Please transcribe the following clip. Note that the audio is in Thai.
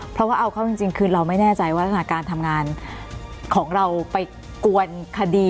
เพราะว่าเอาเข้าจริงคือเราไม่แน่ใจว่ารักษณะการทำงานของเราไปกวนคดี